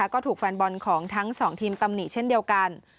ก็ถูกแฟนบอลของทั้งสองทีมตำหนิเช่นเดียวกัน